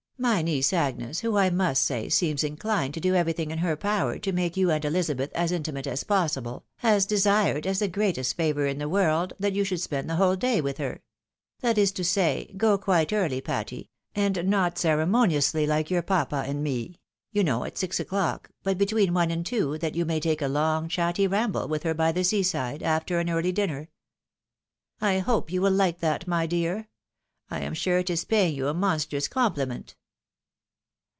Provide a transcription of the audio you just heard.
My niece Agnes, who, I must say, seems inchned to do everything in her power to make you and Ehzabeth as intimate as possible, has desired, as the greatest favour in the world, that you would spend the whole day "o ith her ; that is to say, go quite early, Patty, and not ceremoniously like your papa and me, you know, at six o'clock, but between one and two, that you may take a long chatty ramble with her by the sea side, after an early dinner. I hope you will like that, my dear ? I am sure it is paying you a monstrous oompUment."